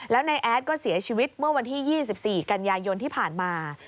แล้วนายแอดก็เสียชีวิตเมื่อวันที่๒๔กันยายนที่ผ่านมา